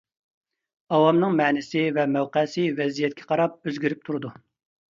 ئاۋامنىڭ مەنىسى ۋە مەۋقەسى ۋەزىيەتكە قاراپ ئۆزگىرىپ تۇرىدۇ.